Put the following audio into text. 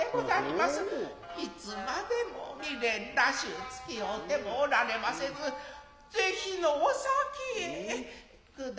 いつまでも未練らしゅう付合うてもおられませず是非のう先きへ下りますわいなァ。